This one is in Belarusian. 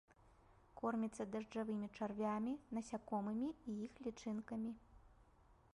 Корміцца дажджавымі чарвямі, насякомымі і іх лічынкамі.